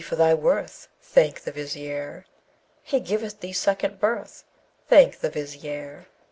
for thy worth Thank the Vizier! He gives thee second birth: Thank the Vizier!